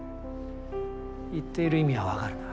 言っている意味はわかるな。